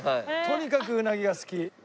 とにかくうなぎが好き。